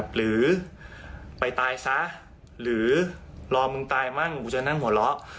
หรือไปตายซะหรือรอมึงตายมั่งกูจะนั่งหัวเราะ